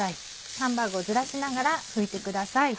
ハンバーグをずらしながら拭いてください。